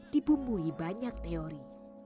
dibumbuhi banyak teori